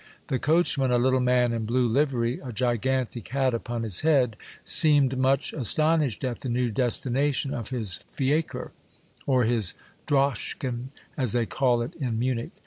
The coachman, a little man in blue livery, a gigantic hat upon his head, seemed much astonished at the new destination of his fiacre, or his droscJikeUy as they call it in Munich.